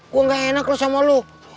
gue ga enak loh sama lu